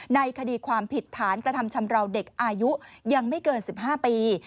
ในคดีความผิดฐานกระทำชำราวเด็กอายุยังไม่เกิน๑๕ปี